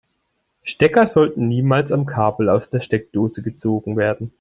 Stecker sollten niemals am Kabel aus der Steckdose gezogen werden.